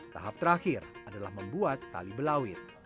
tahap terakhir adalah membuat tali belawit